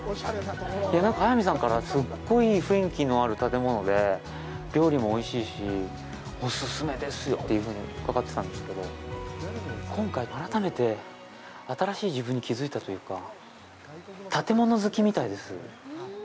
なんか、速水さんから、すごいいい雰囲気のある建物で、料理もおいしいし、オススメですよっていうふうに伺ってたんですけど、今回、改めて新しい自分に気づいたというか、建物好きみたいです。